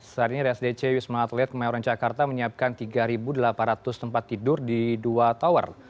saat ini rsdc wisma atlet kemayoran jakarta menyiapkan tiga delapan ratus tempat tidur di dua tower